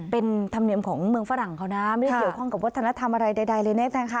เป็นธรรมเนียมของเมืองฝรั่งเขานะไม่ได้เกี่ยวข้องกับวัฒนธรรมอะไรใดเลยนะคะ